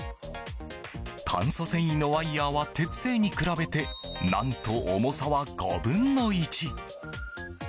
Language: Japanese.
炭素繊維のワイヤは鉄製に比べて何と重さは５分の１。